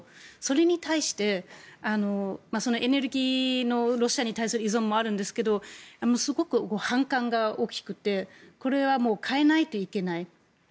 それに対してエネルギーのロシアに対する依存もあるんですけどすごく反感が大きくてこれはもう変えないといけない。